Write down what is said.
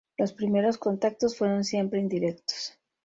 Los primeros contactos fueron siempre indirectos.